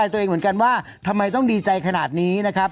ทำไมต้องดีใจขนาดนี้นะครับ